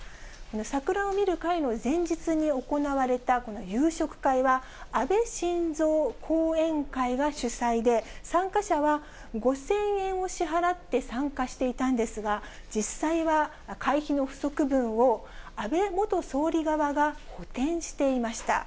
桜を見る会の前日に行われたこの夕食会は、安倍晋三後援会が主催で、参加者は５０００円を支払って参加していたんですが、実際は会費の不足分を、安倍元総理側が補填していました。